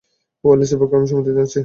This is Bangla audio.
ওয়ালেসের পক্ষে, আমি সম্মতি জানাচ্ছি।